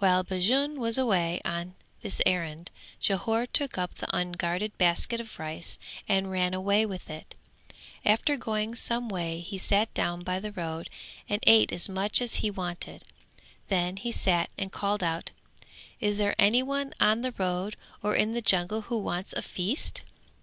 While Bajun was away on this errand, Jhore took up the unguarded basket of rice and ran away with it; after going some way he sat down by the road and ate as much as he wanted, then he sat and called out "Is there anyone on the road or in the jungle who wants a feast?"